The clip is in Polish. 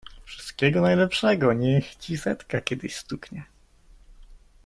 Wszystkiego najlepszego, niech ci setka kiedyś stuknie!